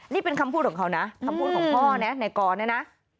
นี่เป็นคำพูดของเขานะคำพูดของพ่อนะในกรเนี่ยนะ